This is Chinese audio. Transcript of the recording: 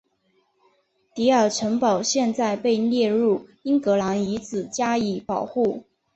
迪尔城堡现在被列入英格兰遗产加以保护。